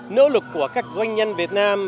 nỗ lực của các doanh nhân việt nam